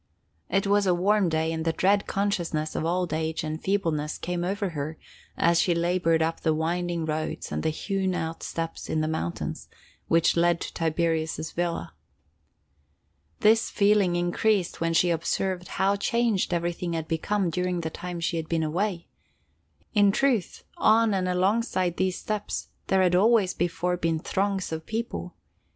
It was a warm day and the dread consciousness of old age and feebleness came over her as she labored up the winding roads and the hewn out steps in the mountain, which led to Tiberius' villa. This feeling increased when she observed how changed everything had become during the time she had been away. In truth, on and alongside these steps there had always before been throngs of people.